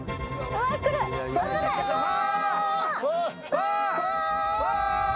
ファー。